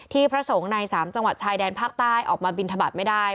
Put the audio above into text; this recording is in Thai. พระสงฆ์ใน๓จังหวัดชายแดนภาคใต้ออกมาบินทบาทไม่ได้